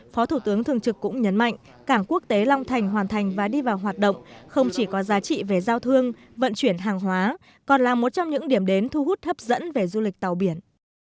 phó thủ tướng thường trực cũng nhấn mạnh cảng quốc tế long thành hoàn thành và đi vào hoạt động không chỉ có giá trị về giao thương vận chuyển hàng hóa còn là một trong những điểm đến thu hút hấp dẫn về du lịch tàu biển